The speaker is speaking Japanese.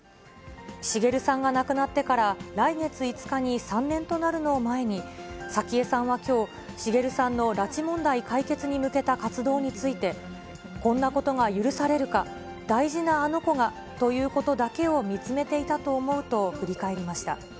滋さんが亡くなってから来月５日に３年となるのを前に、早紀江さんはきょう、滋さんの拉致問題解決に向けた活動について、こんなことが許されるか、大事なあの子がということだけを見つめていたと思うと振り返りました。